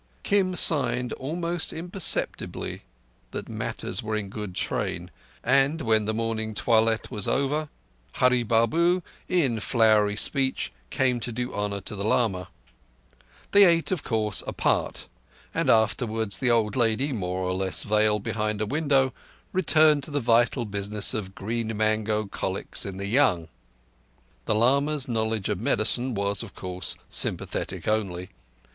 Kim signed almost imperceptibly that matters were in good train, and when the morning toilet was over, Hurree Babu, in flowery speech, came to do honour to the lama. They ate, of course, apart, and afterwards the old lady, more or less veiled behind a window, returned to the vital business of green mango colics in the young. The lama's knowledge of medicine was, of course, sympathetic only.